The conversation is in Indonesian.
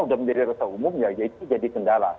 udah menjadi rasa umum ya jadi kendala